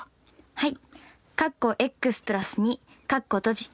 はい。